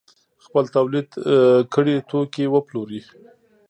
خپل تولید کړي توکي وپلوري.